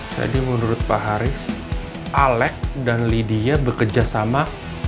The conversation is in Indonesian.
jadi menurut pak haris alex dan lydia bekerja sama